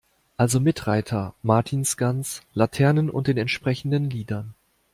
Also mit Reiter, Martinsgans, Laternen und den entsprechenden Liedern.